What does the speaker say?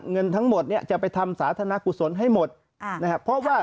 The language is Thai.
เงินทั้งหมดเนี่ยจะไปทำสาธารณกุศลให้หมดนะครับเพราะว่า